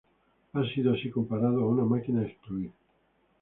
Ha sido así comparado a una máquina a excluir.